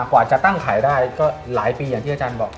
กว่าจะตั้งขายได้ก็หลายปีอย่างที่อาจารย์บอก